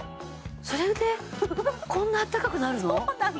それでこんなあったかくなるの！？